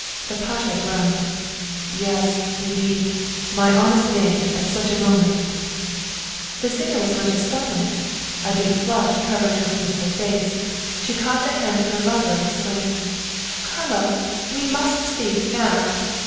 The pasha groaned :" Yes, indeed, my honest name at such a moment !" The singer was much astonished. A deep flush colored her beautiful face, she caught the hand of her lover and' exclaimed :" Carlo, we must speak now